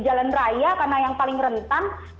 jalan raya karena yang paling rentan